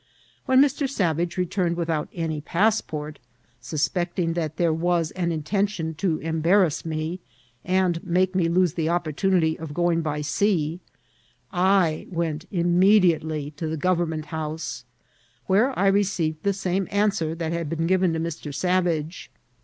When Mr. Savage returned without any passport, suspecting that there vras an intention to embarrass me and make me lose the opportunity of going by sea, I went immediately to the Government House, where I received the same an swer that had been given to Mr. Savage.